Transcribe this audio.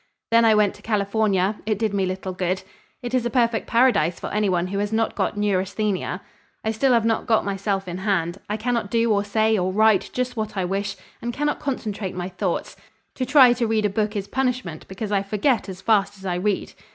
Then I went to California; it did me little good. It is a perfect paradise for anyone who has not got neurasthenia. I still have not got myself in hand. I cannot do or say or write just what I wish, and cannot concentrate my thoughts. To try to read a book is punishment because I forget as fast as I read."